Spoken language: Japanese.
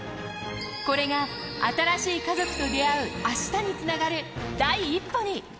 これが新しい家族と出会う明日につながる第一歩に。